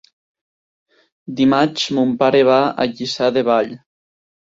Dimarts mon pare va a Lliçà de Vall.